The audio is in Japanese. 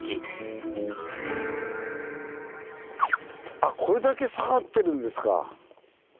あこれだけ下がってるんですか。